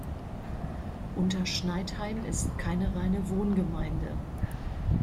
Unterschneidheim ist keine reine Wohngemeinde.